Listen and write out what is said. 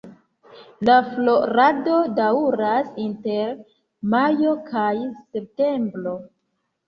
La florado daŭras inter majo kaj septembro.